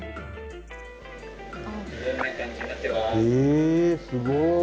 えすごい。